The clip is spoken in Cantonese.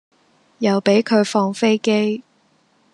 又俾佢放飛機